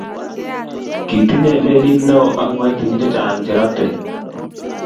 kitinye melit neoo ak kiboitinik chechang che rotei.